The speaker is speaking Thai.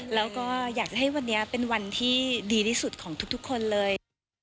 แล้วก็อยากให้วันนี้เป็นวันที่ดีที่สุดของทุกคนเลย